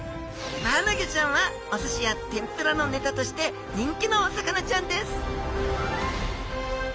マアナゴちゃんはおすしや天ぷらのネタとして人気のお魚ちゃんです。